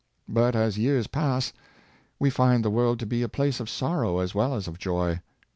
But as years pass, we find the world to be a place of sorrow as well as of joy.